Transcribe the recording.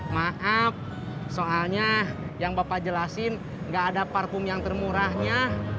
maaf soalnya yang bapak jelasin nggak ada parfum yang termurahnya